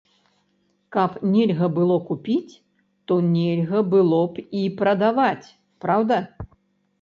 Каб нельга было купіць, то нельга было б і прадаваць, праўда?